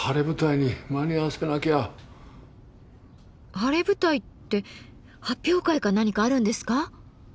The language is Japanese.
晴れ舞台って発表会か何かあるんですか？